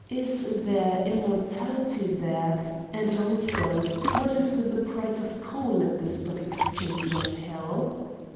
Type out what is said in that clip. Is there immortality there, and, also, what is the price of coal at the stock exchange of Hell?